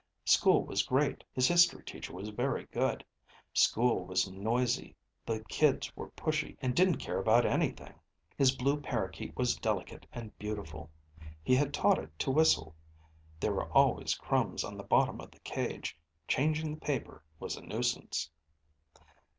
(School was great; his history teacher was very good.... School was noisy; the kids were pushy and didn't care about anything. His blue parakeet was delicate and beautiful; he had taught it to whistle ... there were always crumbs on the bottom of the cage; changing the paper was a nuisance.)